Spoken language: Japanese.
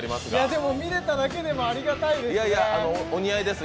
でも、見れただけでもありがたいです！